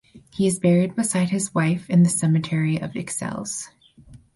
He is buried beside his wife in the cemetery of Ixelles.